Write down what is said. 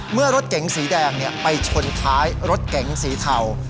เมื่อรถเก๋งสีแดงไปชนท้ายรถเก๋งสีเทา